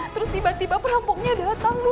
terus tiba tiba perampoknya datang